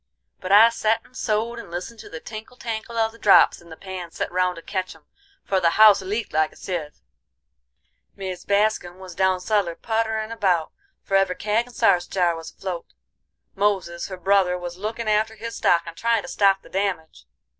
But I set and sewed and listened to the tinkle tankle of the drops in the pans set round to ketch 'em, for the house leaked like a sieve. Mis Bascurn was down suller putterin' about, for every kag and sarce jar was afloat. Moses, her brother, was lookin' after his stock and tryin' to stop the damage.